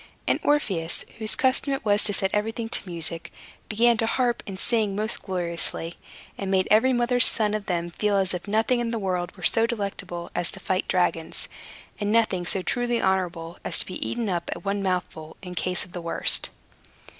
And Orpheus (whose custom it was to set everything to music) began to harp and sing most gloriously, and made every mother's son of them feel as if nothing in this world were so delectable as to fight dragons, and nothing so truly honorable as to be eaten up at one mouthful, in case of the worst.